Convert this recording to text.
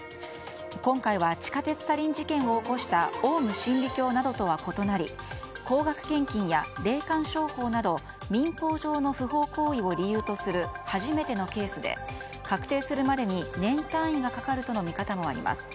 今回は地下鉄サリン事件を起こしたオウム真理教などとは異なり高額献金や霊感商法など民法上の不法行為を理由とする初めてのケースで確定するまでに年単位がかかるとの見方もあります。